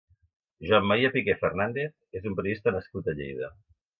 Joan Maria Piqué Fernández és un periodista nascut a Lleida.